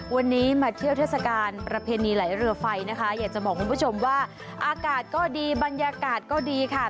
วันนี้มาเที่ยวเทศกาลประเพณีไหลเรือไฟนะคะอยากจะบอกคุณผู้ชมว่าอากาศก็ดีบรรยากาศก็ดีค่ะ